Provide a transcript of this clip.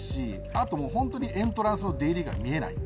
あとホントにエントランスの出入りが見えない。